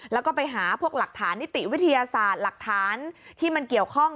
แล้วก็ไปหาพวกหลักฐานนิติวิทยาศาสตร์หลักฐานที่มันเกี่ยวข้อง